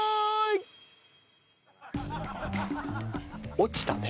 落ちたね。